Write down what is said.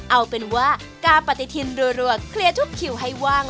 เอาเป็นว่ากาปฏิทินรัวเคลียร์ทุกคิวให้ว่าง